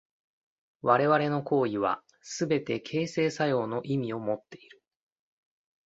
我々の行為はすべて形成作用の意味をもっている。